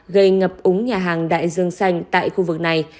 gây ngập úng nhà hàng đại dương xanh tại khu vực này